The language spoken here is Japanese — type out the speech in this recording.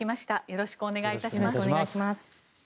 よろしくお願いします。